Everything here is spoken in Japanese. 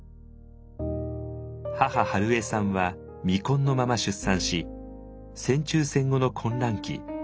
母春恵さんは未婚のまま出産し戦中戦後の混乱期